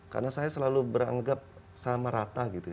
karena saya selalu beranggap sama rata gitu ya